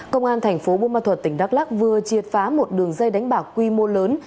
công an thành phố buôn ma thuật tỉnh đắk lắc vừa triệt phá một đường dây đánh bạc quy mô lớn